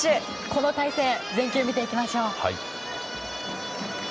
この対戦全球見ていきましょう。